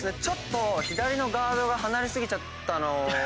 ちょっと左のガードが離れ過ぎちゃったの。